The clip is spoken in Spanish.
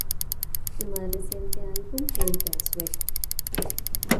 Su más reciente álbum vuelve a sueco.